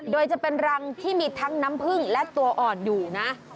โดยจะเป็นรังที่มีทั้งน้ำผึ้งและตัวอ่อนอยู่นะ